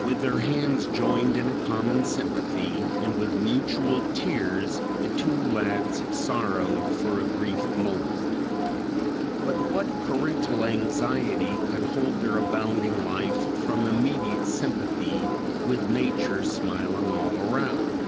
With their hands joined in a common sympathy, and with mutual tears, the two lads sorrowed for a brief moment. But what parental anxiety could hold their abounding life from immediate sympathy with nature smiling all around?